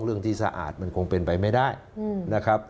เรื่องที่สะอาดมันคงเป็นไปไม่ได้นะครับ